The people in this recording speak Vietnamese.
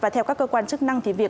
theo các cơ quan chức năng